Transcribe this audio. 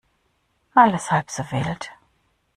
Alles halb so wild.